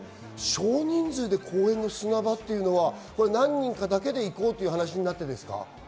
少人数で公園の砂場というのは、何人かだけで行こうという話になってですか？